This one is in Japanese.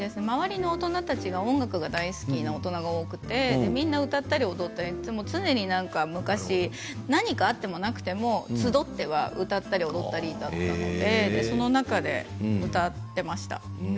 周りの大人たちが音楽が好きな大人が多くてみんな歌ったり、踊ったり常に昔、何かあってもなくても集っては歌ったり踊ったりだったのでその中で歌っていました。